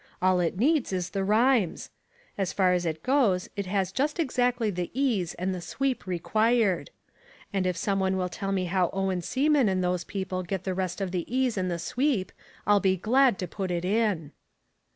All it needs is the rhymes. As far as it goes it has just exactly the ease and the sweep required. And if some one will tell me how Owen Seaman and those people get the rest of the ease and the sweep I'll be glad to put it in.